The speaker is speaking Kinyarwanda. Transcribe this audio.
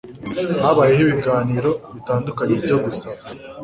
habayeho ibiganiro bitandukanye byo gusaba